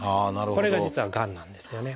これが実はがんなんですよね。